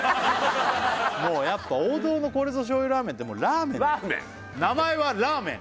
もうやっぱ王道のこれぞ醤油ラーメンってもうラーメン名前は「ラーメン」